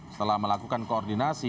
setelah melakukan koordinasi